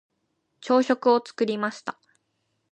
朝食を作りました。